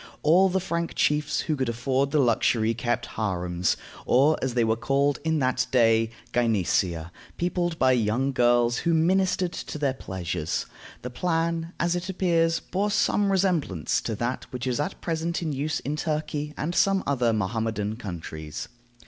All the Frank chiefs who could afford the luxury kept harems, or, as they were called in that day, gynecea, peopled by young girls who ministered to their pleasures. The plan, as it appears, bore some resemblance to that which is at present in use in Turkey and some other Mohammedan countries.